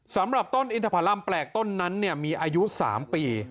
สำหรับต้นอินทพรรมแปลกต้นนั้นมีอายุ๓ปี